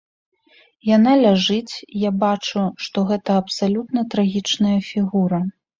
Яна ляжыць, я бачу, што гэта абсалютна трагічная фігура.